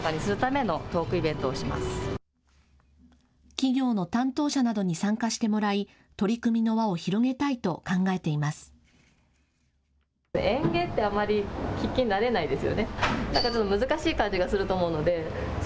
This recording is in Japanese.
企業の担当者などに参加してもらい取り組みの輪を広げたいと考えています。